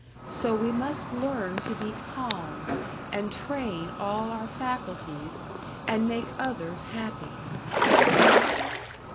So we must learn to be calm, and train all our faculties, and make others happy."